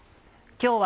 今日は。